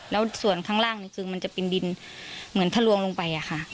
แล้วส่วนข้างล่างนี่คือมันจะเป็นดินเหมือนทะลวงลงไปอะค่ะ